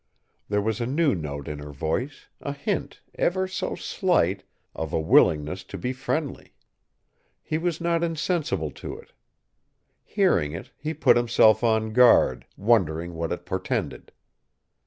There was a new note in her voice, a hint, ever so slight, of a willingness to be friendly. He was not insensible to it. Hearing it, he put himself on guard, wondering what it portended.